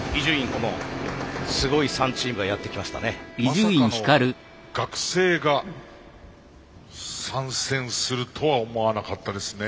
まさかの学生が参戦するとは思わなかったですね。